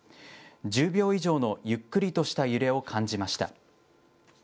１０秒以上のゆっくりとした揺れを感じました。